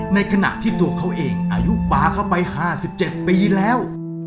ในขณะที่ตัวเขาเองอายุปลาเข้าไป๕๗ปีแล้ว